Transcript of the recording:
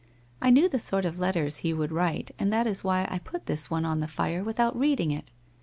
I knew the sort of letters he would write and that is why I put this one on the fire without reading it.